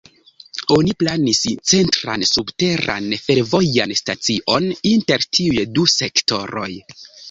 Oni planis centran subteran fervojan stacion inter tiuj du sektoroj.